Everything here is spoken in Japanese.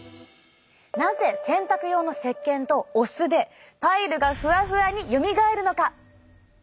なぜ洗濯用のせっけんとお酢でパイルがふわふわによみがえるのか？